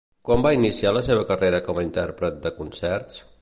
Quan va iniciar la seva carrera com a intèrpret de concerts?